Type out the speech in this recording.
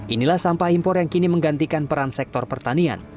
inilah sampah impor yang kini menggantikan peran sektor pertanian